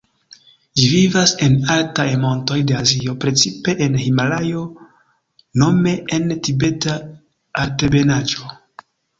Ĝi vivas en altaj montoj de Azio, precipe en Himalajo, nome en Tibeta Altebenaĵo.